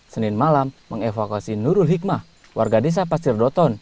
senin malam mengevakuasi nurul hikmah warga desa pasir doton